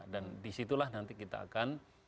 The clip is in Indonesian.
dan di situlah nanti kita akan